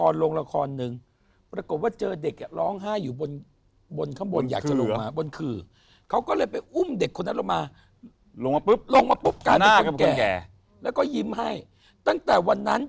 รูปเวทนาสังขารวิญญาณ